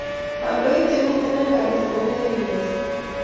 kandoik chemiten eng kanisa ko ngering mising